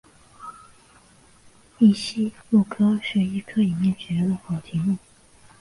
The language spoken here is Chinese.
异鼷鹿科是一科已灭绝的偶蹄目。